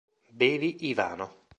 Bevi, Ivano.